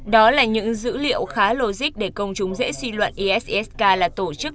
đó là những dữ liệu khá logic để công chúng dễ suy luận isis k là tổ chức